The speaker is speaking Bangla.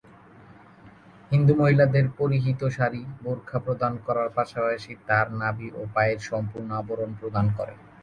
হিন্দু মহিলাদের পরিহিত শাড়ি, বোরখা প্রদান করার পাশাপাশি তার নাভি ও পায়ের সম্পূর্ণ আবরণ প্রদান করে।